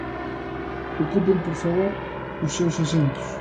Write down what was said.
Ocupen, por favor, os seus asentos.